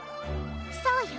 そうよ。